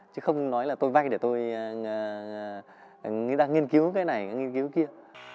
chứ không nói là tôi vay để tôi nghiên cứu cái này nghiên cứu cái kia